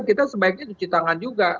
kita sebaiknya cuci tangan juga